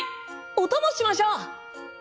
お供しましょう。